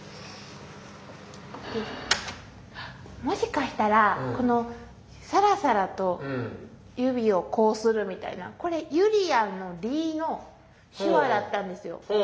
もしかしたらこの「さらさらと」指をこうするみたいなこれゆりやんの「り」の手話だったんですよ。